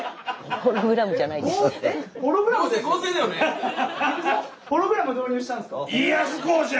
ホログラム導入したんすか？